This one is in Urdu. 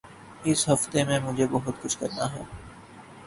اس ہفتے میں مجھے بہت کچھ کرنا ہے۔